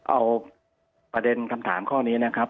เอาประเด็นคำถามข้อนี้นะครับ